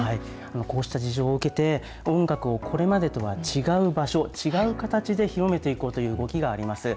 こうした事情を受けて、音楽をこれまでとは違う場所、違う形で広めていこうという動きがあります。